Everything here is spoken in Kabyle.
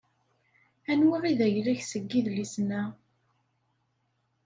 Anwa i d ayla-k seg idlisen-a?